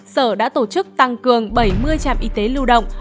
sở đã tổ chức tăng cường bảy mươi trạm y tế lưu động